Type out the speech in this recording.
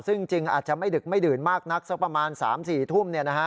ซึ่งจริงอาจจะไม่ดึกไม่ดื่นมากนักสักประมาณ๓๔ทุ่ม